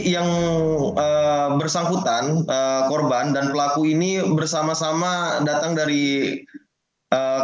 yang bersangkutan korban dan pelaku ini bersama sama datang dari rumah